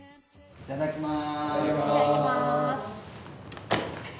いただきます。